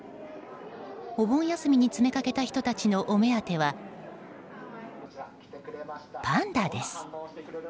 お盆休みに詰めかけた人たちのお目当てはパンダです。